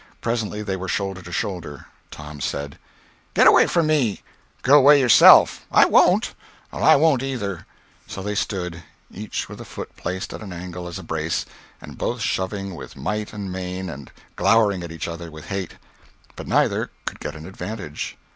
Presently they were shoulder to shoulder. Tom said: "Get away from here!" "Go away yourself!" "I won't." "I won't either." So they stood, each with a foot placed at an angle as a brace, and both shoving with might and main, and glowering at each other with hate. But neither could get an advantage.